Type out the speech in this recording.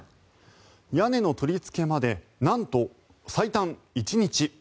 屋根の取りつけまでなんと最短１日。